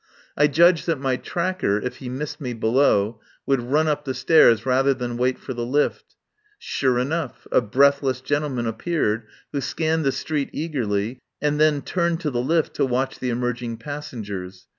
I judged that my tracker, if he missed me below, would run up the stairs rather than wait for the lift. Sure enough, a breathless gentleman appeared, who scanned the street eagerly, and then turned to the lift to watch the emerging passengers.